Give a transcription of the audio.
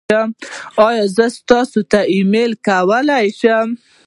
ایا زه تاسو ته ایمیل کولی شم؟